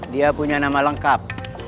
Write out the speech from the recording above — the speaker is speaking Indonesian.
dia punya nama lengkap